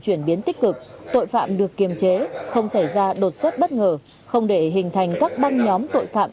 chuyển biến tích cực tội phạm được kiềm chế không xảy ra đột xuất bất ngờ không để hình thành các băng nhóm tội phạm